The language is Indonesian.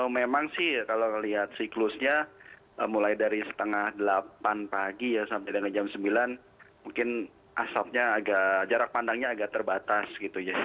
memang sih kalau lihat siklusnya mulai dari setengah delapan pagi ya sampai dengan jam sembilan mungkin asapnya agak jarak pandangnya agak terbatas gitu ya